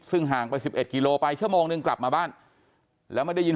ซึ่งห่างไป๑๑กิโลไปชั่วโมงนึงกลับมาบ้านแล้วไม่ได้ยิน